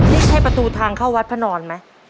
นี่ใช่ประตูทางเข้าวัดพระนอนไหม